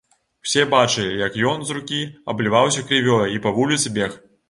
Усе бачылі, як ён з рукі абліваўся крывёй і па вуліцы бег.